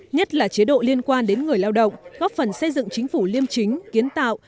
nhất là chế độ liên quan đến người lao động góp phần xây dựng chính phủ liêm chính kiến tạo